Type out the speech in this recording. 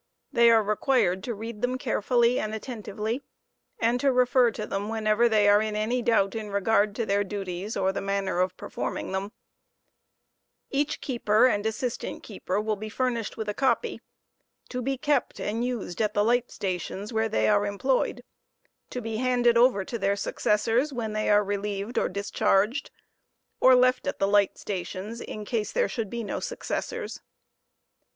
nacy are required to read them carefully uud attentively, and to refer to thein whenever they bare any doffbte in regard to their duties or the manner of performing thenn Kadi keeper and assistant keeper will bo furnished with a copy, to top* asul used at the tight station* where they are employed ; to be handed over, to their gaeees&or* when they are relieved or discharged or left at the light stations in eago there should be no successors.